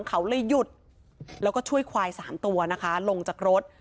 เขาเลยหยุดแล้วก็ช่วยควาย๓ตัวนะคะลงจากรถ